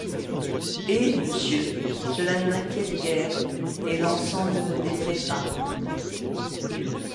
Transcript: Eh! monsieur, cela ne m’inquiète guère, et l’encens ne me déplaît pas.